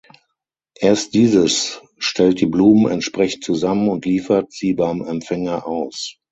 Erst dieses stellt die Blumen entsprechend zusammen und liefert sie beim Empfänger aus.